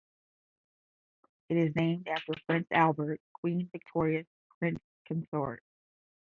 It is named after Prince Albert, Queen Victoria's prince consort.